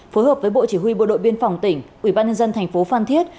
phối hợp với bộ chỉ huy bộ đội biên phòng tỉnh ubnd tp phan thiết